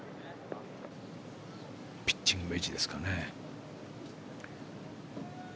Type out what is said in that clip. ピッチングウェッジですかね。